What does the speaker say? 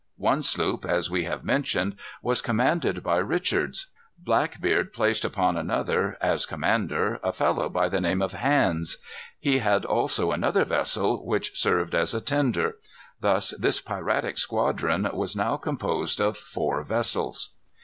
One sloop, as we have mentioned, was commanded by Richards. Blackbeard placed upon another, as commander, a fellow by the name of Hands. He had also another vessel, which served as a tender. Thus this piratic squadron was now composed of four vessels.